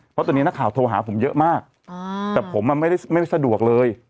เพราะตอนนี้นักข่าวโทรหาผมเยอะมากแต่ผมไม่ได้สะดวกเลย